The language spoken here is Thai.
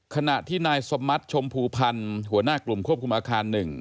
ขณะที่นายสมัติชมพูพันธ์หัวหน้ากลุ่มควบคุมอาคาร๑